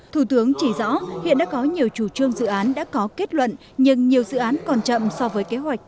thủ tướng chỉ rõ hiện đã có nhiều chủ trương dự án đã có kết luận nhưng nhiều dự án còn chậm so với kế hoạch